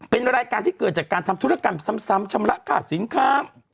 เป็นรายการที่เกิดจากการทำธุรกรรมซ้ำชำระค่าสินค้า